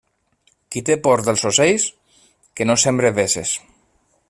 Qui té por dels ocells, que no sembre vesses.